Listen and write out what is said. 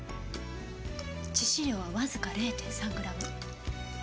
致死量はわずか０．３グラム。